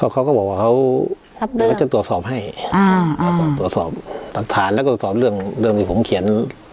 เขาก็บอกว่าเขาเดี๋ยวจะตรวจสอบให้ตรวจสอบตรักฐานและตรวจสอบเรื่องที่ผมเขียน